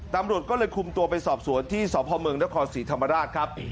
ตำรวจก็เลยคุมตัวไปสอบสวนที่สพเมืองนครศรีธรรมราชครับ